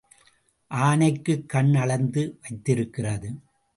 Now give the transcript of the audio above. ஆனைக்குக் கண் அளந்து வைத்திருக்கிறது.